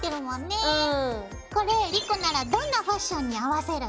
これ莉子ならどんなファッションに合わせる？